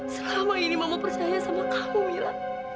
selama ini mama percaya sama kamu mila